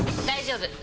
大丈夫！